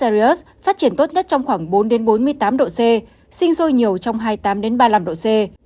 bacillus cereus phát triển tốt nhất trong khoảng bốn bốn mươi tám độ c sinh dôi nhiều trong hai mươi tám ba mươi năm độ c